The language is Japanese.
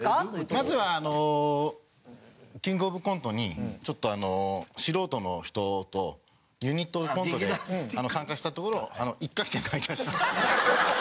まずはあのキングオブコントにちょっと素人の人とユニットのコントで参加したところ１回戦で敗退した。